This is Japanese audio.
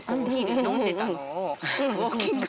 飲んでた。